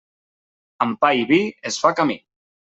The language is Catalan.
Amb pa i vi es fa camí.